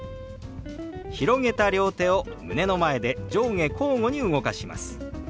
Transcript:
広げた両手を胸の前で上下交互に動かします。